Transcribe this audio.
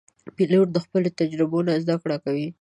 پیلوټ د خپلو تجربو نه زده کوي.